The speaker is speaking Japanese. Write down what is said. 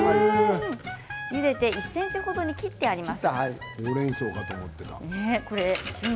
ゆでて１ｃｍほどに切ってあります。